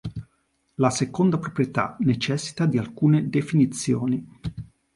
La seconda proprietà necessita di alcune definizioni.